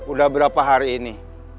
udah berapa hari ini